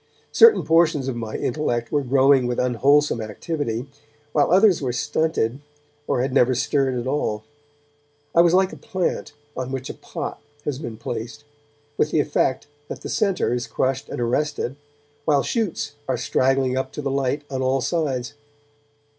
Certain portions of my intellect were growing with unwholesome activity, while others were stunted, or had never stirred at all. I was like a plant on which a pot has been placed, with the effect that the centre is crushed and arrested, while shoots are straggling up to the light on all sides.